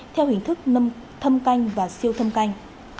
theo hình thức thâm canh và siêu thâm canh